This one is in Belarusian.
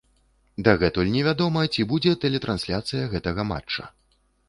Дагэтуль невядома, ці будзе тэлетрансляцыя гэтага матча.